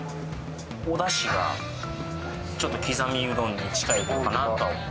おダシがちょっと刻みうどんに近いとこかなとは思う